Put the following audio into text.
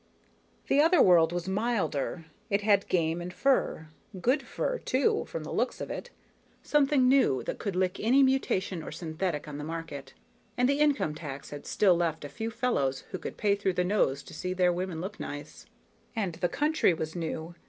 The other world was milder, it had game and fur good fur, too, from the looks of it, something new that could lick any mutation or synthetic on the market, and the income tax had still left a few fellows who could pay through the nose to see their women look nice. And, the country was new.